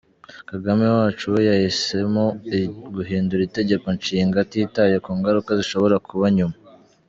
Kagame wacu we yahisemo guhindura itegeko-nshinga atitaye ku ngaruka zishobora kuba nyuma.